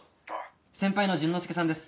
先輩の淳之介さんです。